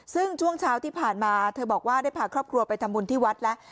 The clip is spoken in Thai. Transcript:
ซึ่งช่วงเช้าที่ผ่านมาเธอบอกว่าได้พาครอบครัวไปทำบุญที่วัดแล้ว